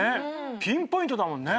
ピンポイントだもんね。